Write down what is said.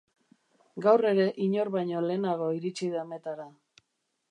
Gaur ere inor baino lehenago iritsi da metara.